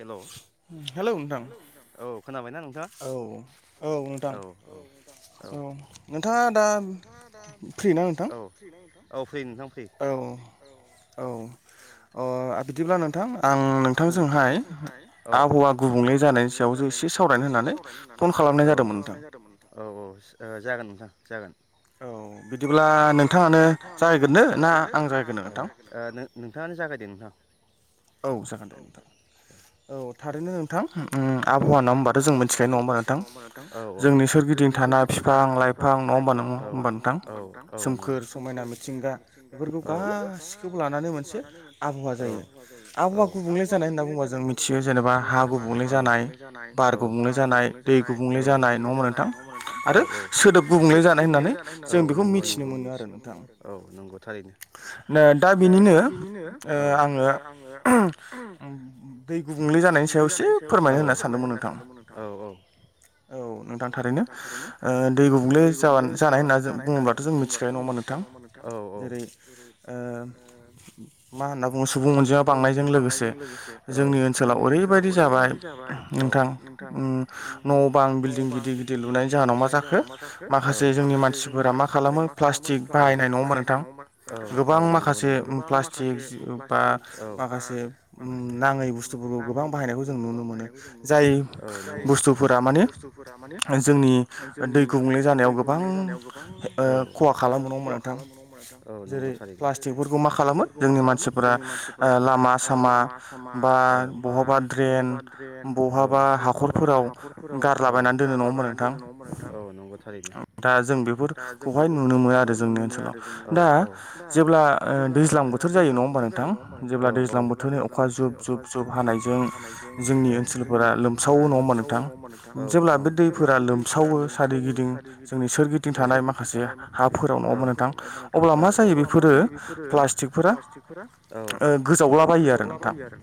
Hello. औ खोनाबायना नोंथाङा औ औ औ। औ नोंथाङा दा फ्रि ना नोंथां? औ औ अ बिदिब्ला नोंथां आं नोंथांजोंहाय आबहावा गुबुंले जानायनि सायाव जो एसे सावरायनो होननानै फन खालामनाय जादोंमोन नोंथां। औ औ जागोन नोंथां जागोन। औ। अब्ला नोंथाङानो जागायग्रोदो ना आं जागायग्रोनो? दे नोंथां। औ जागोन दे नोंथां औ। थारैनो नोंथां ओम आबहावा नङा होनोमबाथ' जों मिथिखायो नङा होमबा नोंथां जोंनि सोरगिदिं थानाय फि फां लाइफां नङा होमबा नों होमबा नोंथां सोमखोर समायना मिथिंगा बेफोरखौ गास गासिखौबो लानानै मोनसे आबहावा जायो। आबहावा गुबुंले जानाय होनना बुङोबा जों मिथि मिथियो जेनेबा हा गुबुंले जानाय बार गुबुंले जानाय दै गुबुंले जानाय नङा होमबा नोंथां। आरो सोदोब गुबुंले जानाय होननानै जों बेखौ मिथिनो मोनो आरो। दा बेनिनो ओ आङो दै गुबुं दै गुबुंले जानायनि सायाव एसे फोरमायनो होनना सानदोंमोन नोंथां। औ नोंथां थारैनो ओ दै गुबुंले ज जानाय होनना बुङोब्लाथ' जों मिथिखायो नङा होनबा नों थां जेरै ओ मा होनना बुङो सुबुं अनजिमा बांनायजों लोगोसे जोंनि ओन सोलाव ओरैबायदि जाबाय नोंथां न' बां बिल्डिं गिदिर गिदिर लुनाय जाउन उनाव मा जाखो माखासे जोंनि मानसिफोरा मा खालामो प्लास्टिक बाहायनाय नङा होमबा नोंथां? गोबां माखासे प्लास्टिक बा माखासे नाङै बुस्थु बुस्थुफोरखौ गोबां बाहायनायखौ जों नुनो मोनो जाय बुस्थुफोरा माने जोंनि दै गुबुंले जानायाव गोबां खहा ओ खालामो नङा होमबा नोंथां? जेरै प्लास्टिकफोरखौ मा खालामो जोंनि मानसिफोरा ओ लामा सामा बा बहाबा द्रेन बहाबा हाखरफोराव गारलाबायनानै दोनो नङा होमबा नों थां दा जों बेफोरखौहाय नुनो मोनो आरो जोंनि ओनसोलाव दा जेब्ला ओ दैज्लां बोथोर जायो नङा होमबा नोंथां? जेब्ला दैज्लां बोथोरनि अखा जुब जुब हानायजों जोंनि ओनसोलफोरा लोमसावो नङा होमबा नोंथां जेब्ला बे दैफोरा लोमसावो सारिगिदिं जोंनि सोरगिदिं थानाय माखासे हाफोराव नङा नोंथां अब्ला मा जायो बेफोरो प्लास्टिकफोरा ओ गोजावलाबायो आरो।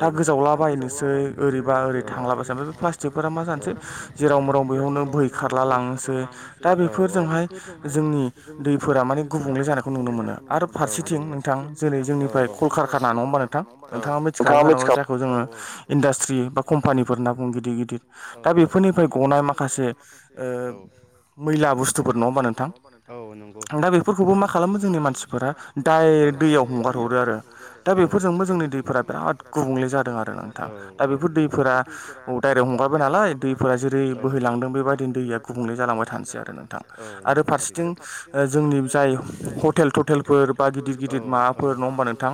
दा गोजावलाबायनोसै ओरैबा ओरै थांलाबायसनोओ बे प्लास्टिकफोरा मा जानोसै जेराव माव बेयावनो बोहैखारला लांनोसै दा बेफोरजोंहाय जोंनि दैफोरा माने गुबुंले जानायखौ नु नुनो मोनो आरो फारसेथिं नोंथां जेरै जोंनिफ्राय कलकार खाना नङा होमबा नोंथां नोंथाङा मिथि खागौ जानांगौ जायखौ जोङो इन्डास्ट्रि बा कम्पानि होनना बुङो गिदिर गिदिर दा बेफोरनिफ्राय गना माखासे मैला बुस्थुफोर नङा हबा नोंथां दा बेफोरखौ मा खालामो जोंनि मानसिफोरा डाइरेक्ट दैयाव हगार हरो आरो दा बेफोरजोंबो जोंनि दैफोरा बिराद गुबुंले जादों आरो नोंथां दा बेफोर दैफोरा डाइरेक्ट हंगारबाय नालाय दैफोरा जेरै बोहैलां थांदों बेबायदिनो दैया गुबुंले जालांबाय थानोसै आरो नोंथां आरो फारसेथिं जोंनि जाय हटेल थटेलफोर बा गिदिर गिदिर माबाफोर नङा होमबा नोंथां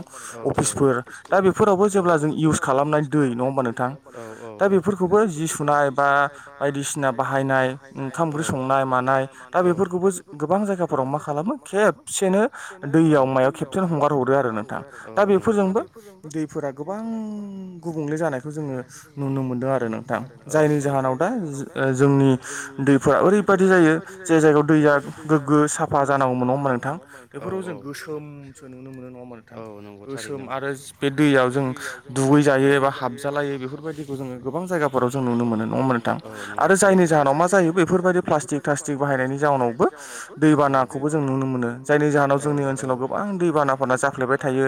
अफिसफोर दा बेफोरावबो जेब्ला जों इउस खालामनाय दै नङा हबा नोंथां दा बेफोरखौबो जि सुनाय बा बायदिसिना बायदिसिना बाहायनाय ओंखाम ओंख्रि संनाय मानाय दा बेफोरखौबो गोबां जायगाफोराव मा खालामो खेब खाबसेनो दैयाव मायाव खेबसेनो हगार हरदो आरो नोंथाङा दा बेफोरजोंबो दैफोरा गोबां गुबुंले जानायखौ जोङो नुनो मोनदों आरो नोंथां जायनि जाहोनाव दा जोंनि दैफोरा ओरैबायाददि जायो जाय जायगायाव दैया गोग्गो साफा जानांगौमोन नंङा होनबा थां बेफोराव गोसोम दैयाव आरो बे दैयाव जों दुगै जायो एबा हाबजालायो बेफोरबायदिखौ जोङो गोबां जायगाफोराव जों नुनो मोनो नङा होनबाय नोंथां। आरो जायनि जाहोनाव मा जायो बेफोरबायदि प्लास्टिक थास्तिक बाहायनायनि जाहनावबो दैबानाखौबो जों नुनो मोनो। मोन जाय जाहाव जोंनि ओनसोलाव गोबां दैबाना फाना जाफ्लेबायायो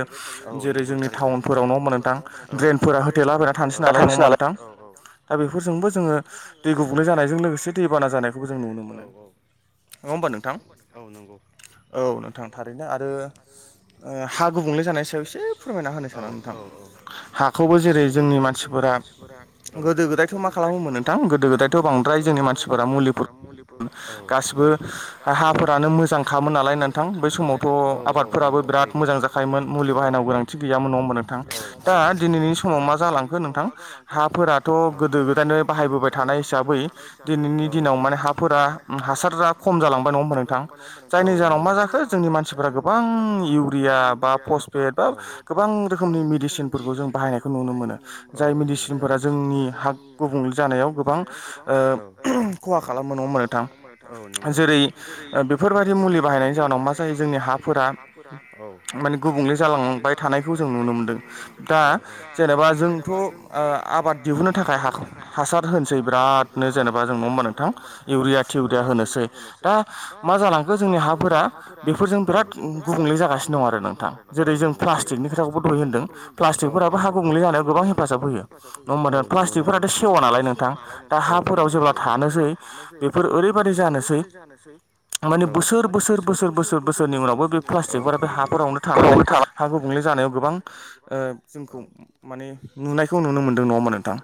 जेरै जोंनि टावउनफोराव नङा होनबा नोंथां ड्रेनफोरा होथेलाबायना थानोसै नालाय नंङा होनबाय नोंथां। दा बेफोरजोंबो जोङो दै गुबुंलै जानायजों लोगोसे दै बाना जानायखौबो जों नुनो मोनो। नङा होमबा नोंथां औ नोंथां थारैनो आरो हा गुबुंले जानाय सायाव एसे फोरमायना होनोसै आं। औ औ। हाखौबो जेरै जोंनि मानसिफोरा गोदो गोदायखौ मा खालामोमोन नोंथां गोदो गोदायथ'। बांद्राय जोंनि मानसिफोरा मुलिबो बाहाया गासिबो जोंनि हाफोरानो मोजांखा बै समावथ' आबादफोराबो बिराद मोजां जाखायोमोन मुलि बाहायन गोनांथि गैयामोन नङा होमबा नोंथां। दा दिनैनि समाव मा जालांखो नोंथां हाफोराथ' गोदो गोदायानै बाहायबोबाय थानाय हिसाबै दिनैनि दिनाव माने हाफोरा हासारा खम जालांबाय नङा होमबा नोंथां जायनि जाउनाव माजाखो जोंनि मानसिफोरा गोबां इउरिया बा गोबां रोखोमनि मेडिसिनफोरखौ जों बाहायनायखौ नुनो मोनो जाय मेडिसिनफोरा जोंनि हा गुबुंले जानायाव गोबां खहा खालामो नङा होमबा नोंथां जेरै बेफोरबायदि मुलि बाहायनायनि जाहोनाव मा जायो जोंनि हाफोरा माने गुबुंले जालांबाय थानायखौ जों नुनो मोनदों दा जेनेबा जोंथ' आबाद दिहुनो थाखाय हासार होनसै बिरनो जेनेबा जों होनबा नोंथां इउरिया थिउरिया होनोसै दा मा जालां जोंनि हाफोरा बेफोरजों बिराद गुबुंले जागासिनो दं आरो नोंथां जेरै जों प्लास्टिकनि दों प्लास्टिक हा गुंबुंले जानायाव गोबां हेफाजाब होयो नंङा मबा प्लास्टिकफोरा' सेवा नालाय सेवा नालाय नोंथां थासारिफोराव जेब्ला थानोसै बेफोर ओरैबादि जानोसै। माने बोसोर बोसोर बोसोर बोसोर बोसोरनि उनावबो बे प्लास्टिकफोरा हाफोरावनो थानानै हा गुबुंले जानानै गोबां ओ जोंखौ माने नुनायखौ नुनो मोनदों नङा होनबा नोंथां।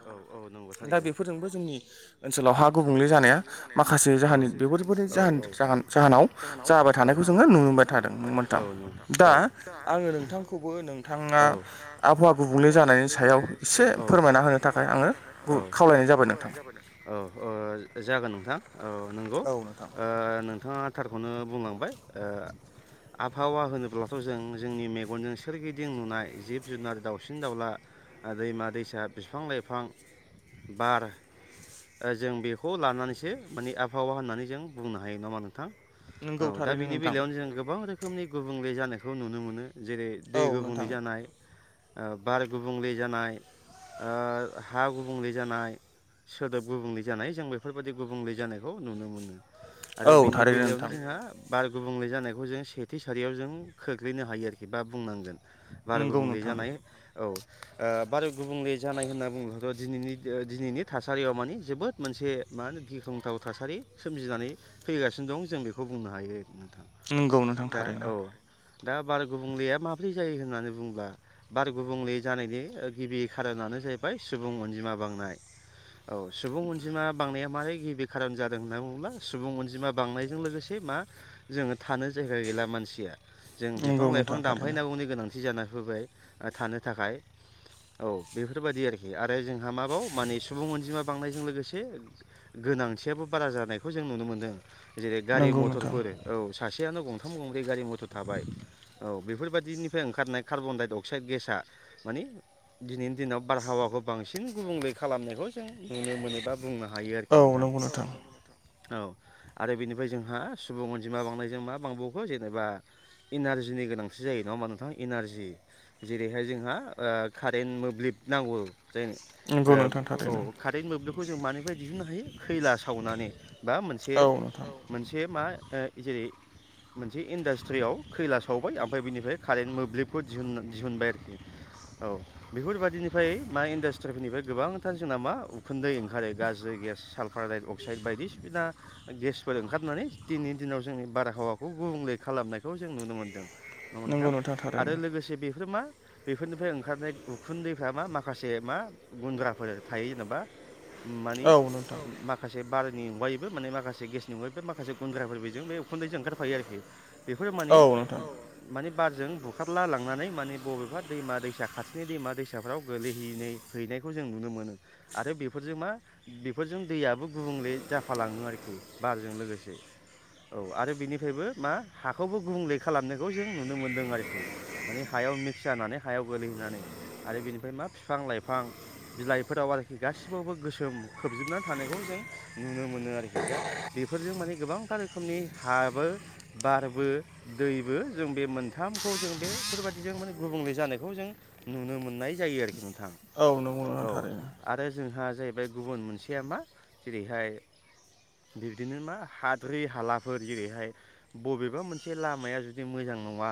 दा बेफोरजोंबो जोंनि ओनसोलाव हा गुबुंले जानाया माखासे जाहोन बेफोरनि जाहोन जाहोन जाहोनाव जाबाय थानायखौ जोंङो नुनो मोनबाय थादों नुनो मोनथां दा आंङो नोंथांखौबो नों बिथाङा आबहावा गुबुंले जानायनि सायाव एसे फोरमायना होनो थाखाय आङो खावलायनाय खावलायनाय जाबाय औ ओ जागोन नोंथां औ नंगौ नोंथाङा थारखौनो बुंलांबाय आबहावा होनोब्लाथ जों जोंनि मेगनजों सोरगिदिं नुनाय जिब जुनार दावउसिन दाउला दैमा दैसा बिफां-लाइफां बार जों बेखौ लानानैसो माने आबहावा होननानै जों बुंनो हायो नामा नोंथां औ दा बेनि बेलायावनो जों गोबां रोखोम रोखोमनि गुबुंले जानायखौ नुनो मोनो जेरै दै गुबुंले जानाय बार गुबुंले जानाय ओ हा गुबुंले जानाय सोदोब गुबुंले जानाय जों बेफोरबायाददि गुबुंले जानायखौ नुनो मोनो आरो बिनि बेलायावनो जोंहा बार गुबुंले जानायखौ जों सेथि सारियाव जों खोख्लैनो हायो आरोखि बा बुंनांगोन बार गुबुंले जानाय औ बार गुबुंले जानाय होनना बुङोब्लाथ' दिनैनि दिनैनि थासारियाव मानि जोबोद मोनसे मा होनो गिख्रंथाव थासारि सोमजिनानै फैगासिनो दं जों बेखौ बुंनो हायो नंगौ नोंथां थारैनो दा बार गुबुंलेया माब्रै जायो होननानै बुंङोब्ला बार गुबुंले जानायनि गिबि खारोनानो जाहैबाय सुबुं अनजिमा मा बांनाय औ सुबुं अनजिमा बांनाया मारै गिबि खारन जादों होनना बुङोब्ला सुबुं अनजिमा बांनायजों लोगोसे मा जोंङो थानो जायगा गैला मानसिया जों बिफां लाइफां दानफायनांगौनि गोनांथि जि जाना फैबाय थानो थाखाय औ बेफोरबायदि आरोखि आरो जोंहा माबाव माने सुबुं अनजिमा बांनायजों लोगोसे गोनांथियाबो बारा जानायखौ जों नुनो मोन्दों जेरै गारि मथरफोर औ सासेयानो गंथाम गंब्रै गारि मथर थाबाय औ बेफोरबायदिनिफ्राय ओंखारनाय कार्बन डाइ अक्साइड गेसा माने दिनैनि दिनाव बारहावाखौ बांसि बांसिन गुबुंले खालामनायखौ जों नुनो मोनो बा बुंनो हायो आरोखि नोंथाङा औ नंगौ नोंथां औ आरो बेनिफ्राय जोंहा सुबुं अनजिमा बांनायजों मा बांबावखो जेनेबा इनारजिनि गोनां जायो नङा होमबा नोंथाङा एनारजि जेरैहाय जोंहा कारेन्ट मोब्लिब नांगौ जाय औ कारेन्ट मोब्लिबखौ जों मानिफ्राय दिहुननो हायो खैला सावनानै बा मोनसे औ मोनसे मा जेरै मोनसे इन्डास्ट्रियाव खैला सावबाय आ ओमफ्राय बिनिफ्राय कारेन्ट मोब्लिबखौ दिहुन दिहुनबाय आरोखि औ बेफोरबायदिनिफ्राय मा इन्डास्ट्रिफोरनिफ्राय गोबांथार जोंना मा उखुदै ओंखारो गाज्रि गेस सालफारड अक्साइड बायदिसिना गेसफोर ओंखारनानै दिनै दिनाव जोंनि बारहावखौ गुबुंले खालामनायखौ जों नुनोमोनदों आरो लोगोसे बेफोरो मा बेफोरनिफ्राय ओंखारनाय उखुन्दैफ्रा मा माखासे मा गुन्द्राफोर थायो जेनेबा मानि माखासे बारनि अगायैबो माखासे गेसनि अनगायैबो माखासे गुन्द्राफोर बेजों बे उखुन्दैजों ओंखारफायो आरोखि बेफोरो माने औ माने बारजों बुखारला लांनानै माने बबेबा दैमा दैसा खाथिनि दैमा दैसाफ्राव गोलैहैनायनि हैनायखौ जों नुनो मोनो आरो बेफोरजों मा बेफोरजों दैयाबो गुबुंले जाफालाङो आरोखि बारजों लोगोसे औ आरो बेनिफ्रायबो मा हाखौबो गुबुंले खालामनो बेखौ जों नुनो मोन्दों आरोखि माने हायाव मिक्स जानानै हायाव गोलैहैनानै आरो बेनिफ्राय मा बिफां बिफां लाइफां बिलाइफोराव आरोखि गासिबावबो गोसोम खोबजोबनानै थानायखौ जों नुनो मोनो आरोखि बेफोरजों माने गोबांथार रोखोमनि हाबो बारबो दैबो जों बे मोनथामखौ जों बेफोरबाददि जों माने गुबुंले जानायखौ जों नुनो मोननाय जायो आरोखि औ आरो जोंहा जाहैबाय गुबुन मोनसेया मा जेरैहाय बिब्दिनो मा हाद्रि हालाफोर जेरैहाय बबेबा मोनसे लामाया जुदि मोजां नङा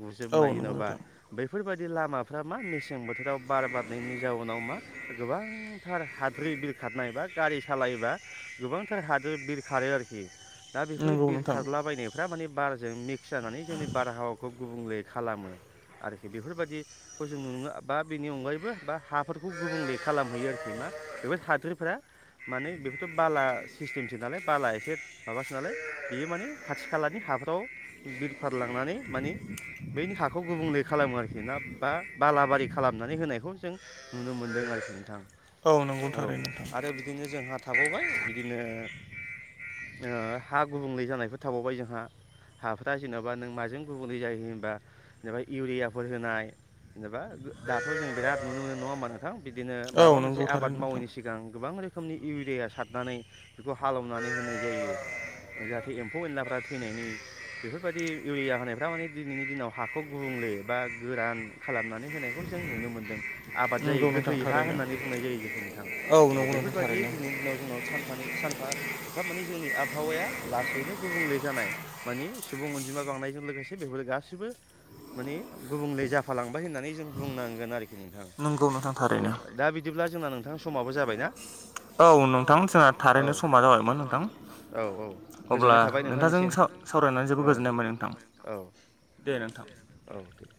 गुजोबनाय जेनेबा बे बेफोरबायदि लामाफ्रा मा मेसें बोथोराव बार बारनायनि जाउनाव मा गोबांथार हाद्रि बिरखारनाय बा गारि सालायोबा गोबांथार हाद्रि बिरखारो आरोखि दा बेफोर बिर खारलाबायनायफ्रा माने बारजों मिक्स जानानै जोंनि बारहावाखौ गुबुंलै खालामो आरोखि बेफोरबायाददिखौ जों नुयोबा बेनि अनगायैबो बा हाफोरखौ गुबुंले खालामहैयो आरोखि मा बेफोर हाद्रिफ्रा माने बेफोरथ' बाला सिस्टेमसो नालाय बाला एसे माबासो नालाय बेयो माने खाथि खालानि हाफ्राव बिरफार लांनानै माने बैनि हाखौ गुबुंले खालामो आरोखि ना बा बालाबारि खालाम नानै होनायखौ जों नुनो मोनदों आरोखि नोंथां औ आरो बिदिनो जोंहा थाबावबाय बिदिनो ओ हा गुबुंले जानायफोर थाबावबाय जोंहा हाफोरा जेनेबा नों माजों गुबुंले जायो होनबा जेनेबा इउरियाफोर होनाय एबा दाथ' जों बिराद नुनो मोनो नङा होमा नोंथां बिदिनो माबा मोनसे आबाद मावैनि सिगां गोबां रोखोमनि इउरिया सारनानै बेखौ हालेवनानै होनाय जायो। जाहाथे एम्फौ एनलाफ्रा थैनायनि बेफोरबायदि इउरिया होनायफ्रा माने दिनैनि दिनाव हाखौ गुबुंले बा गोरान खालामनानै होनाय खौ जों नुनो मोनदों आबाद जायो गोथै हा होननानै बुंनाय जायो जेखौ नोंथाङा औ बेफोरबायदि दिनैनि दिनाव जोंनाव सानफानि सानफा एफा माने जोंनि आबहावाया लासैनो गुबुंले जानाय माने सुबुं अनजिमा बांनायजों लोगोसे बेफोर गाससिबो माने गुबुंले जाफालांबाय होननानै जों बुंनांगोन आरोखि उम नोंथां औ दा बिदिब्ला जोंना नोंथां समाबो जाबाय ना? औ नोंथां थारनो सम जाबायमोन नोंथांजों सावराया जोबोद गोजोननाय मोनाय नोंथां औ दे नोंथां औ